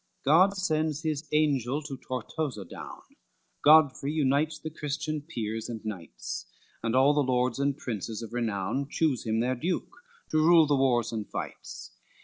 God sends his angel to Tortosa down, Godfrey unites the Christian Peers and Knights; And all the Lords and Princes of renown Choose him their Duke, to rule the wares and fights.